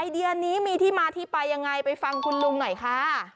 เดียนี้มีที่มาที่ไปยังไงไปฟังคุณลุงหน่อยค่ะ